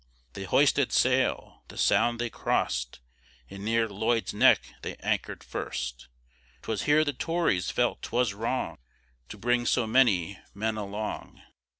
They hoisted sail, the Sound they cross'd, And near Lloyd's Neck they anchor'd first; 'Twas here the Tories felt 'twas wrong To bring so many men along.